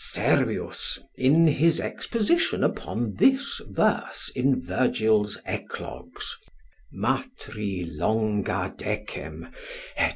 Servius, in his exposition upon this verse of Virgil's eclogues, Matri longa decem, &c.